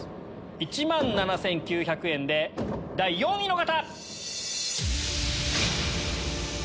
１万７９００円で第４位の方！